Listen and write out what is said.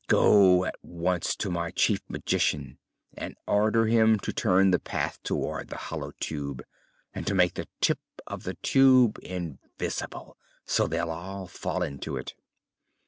Go at once to my Chief Magician and order him to turn the path toward the Hollow Tube, and to make the tip of the Tube invisible, so they'll all fall into it."